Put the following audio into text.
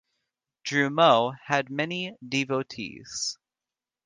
Drumont had many devotees.